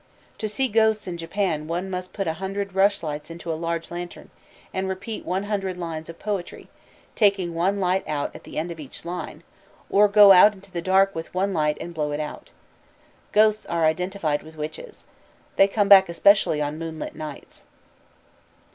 To see ghosts in Japan one must put one hundred rush lights into a large lantern, and repeat one hundred lines of poetry, taking one light out at the end of each line; or go out into the dark with one light and blow it out. Ghosts are identified with witches. They come back especially on moonlit nights.